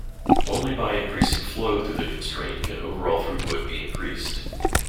Only by increasing flow through the constraint can overall throughput be increased.